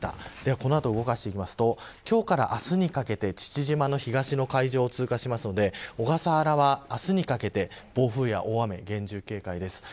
この後動かしていくと今日から明日にかけて父島の東の海上を通過するので小笠原は明日にかけて暴風や大雨に厳重警戒です。